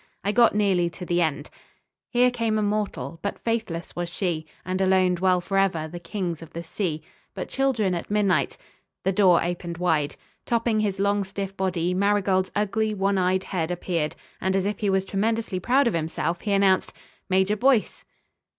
I got nearly to the end: "... Here came a mortal, But faithless was she, And alone dwell forever The Kings of the sea. But, children at midnight " The door opened wide. Topping his long stiff body, Marigold's ugly one eyed head appeared, and, as if he was tremendously proud of himself, he announced: "Major Boyce."